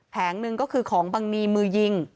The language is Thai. หนึ่งก็คือของบังนีมือยิง